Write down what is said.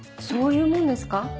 そういうもんですか？